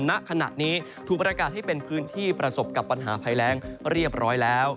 ณขณะนี้ถูกประกาศให้เป็นพื้นที่ประสบกับปัญหาภัยแรงเรียบร้อยแล้ว